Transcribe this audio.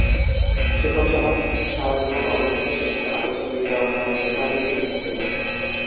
শিক্ষকসমাজ সারা জীবন নিরলসভাবে শিক্ষার আলো ছড়িয়ে দেওয়ার কাজে নিবিষ্ট থাকেন।